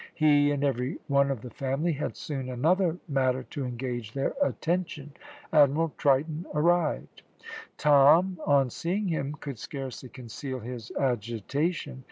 He and every one of the family had soon another matter to engage their attention Admiral Triton arrived. Tom on seeing him could scarcely conceal his agitation.